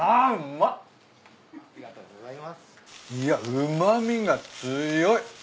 いやうま味が強い。